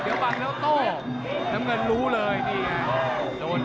สายทางด้านน้ำเงินครับ